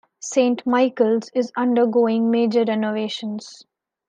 Saint Michael's is undergoing major renovations.